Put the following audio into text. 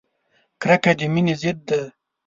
کرکه د مینې ضد ده!